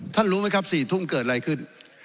รู้ไหมครับ๔ทุ่มเกิดอะไรขึ้น